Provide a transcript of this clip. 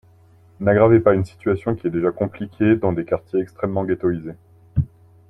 N’aggravez pas une situation qui est déjà compliquée dans des quartiers extrêmement ghettoïsés